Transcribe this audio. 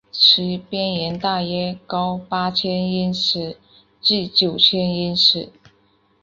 其边缘大约高八千英尺至九千英尺。